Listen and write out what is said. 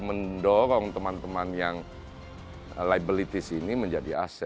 dan mendorong teman teman yang liabilitis ini menjadi aset